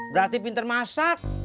berarti pinter masak